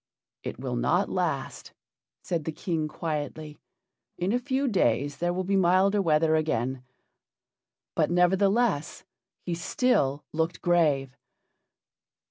"It will not last," said the King, quietly. "In a few days there will be milder weather again." But, nevertheless, he still looked grave.